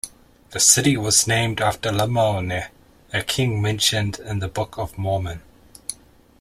The city was named after Lamoni, a king mentioned in the Book of Mormon.